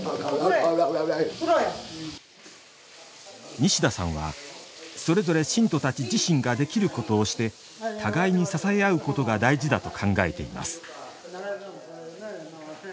西田さんはそれぞれ信徒たち自身ができることをして互いに支え合うことが大事だと考えています。